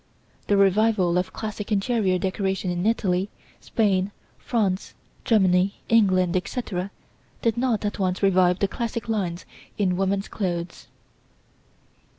The revival of classic interior decoration in Italy, Spain, France, Germany, England, etc., did not at once revive the classic lines in woman's clothes.